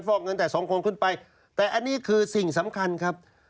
อกเงินแต่สองคนขึ้นไปแต่อันนี้คือสิ่งสำคัญครับ